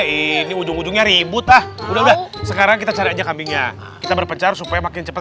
ini ujung ujungnya ribut ah udah udah sekarang kita cari aja kambingnya kita berpencar supaya makin cepat